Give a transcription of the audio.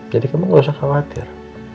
jadi kamu nggak usah khawatir